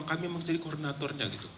kami memang jadi koordinatornya